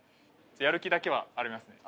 やる気だけはありますね。